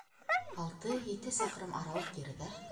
Алты-ете саҡрым арауыҡ ерҙә!